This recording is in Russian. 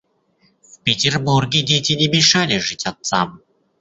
В Петербурге дети не мешали жить отцам.